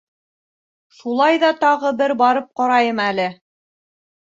— Шулай ҙа тағы бер барып ҡарайым әле.